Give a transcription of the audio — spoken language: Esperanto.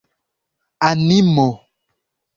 animo